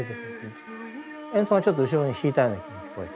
演奏がちょっと後ろに引いたように聞こえて。